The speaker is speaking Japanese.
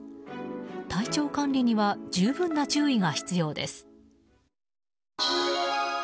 体調管理には十分な注意が必要です。